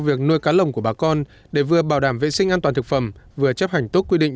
việc nuôi cá lồng của bà con để vừa bảo đảm vệ sinh an toàn thực phẩm vừa chấp hành tốt quy định